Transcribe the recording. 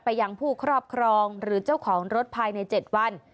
ยังผู้ครอบครองหรือเจ้าของรถภายใน๗วัน